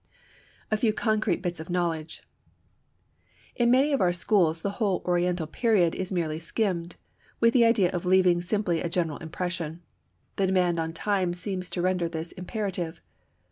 A Few Concrete Bits of Knowledge. In many of our schools the whole Oriental period is merely skimmed, with the idea of leaving simply a general impression. The demand on time seems to render this imperative.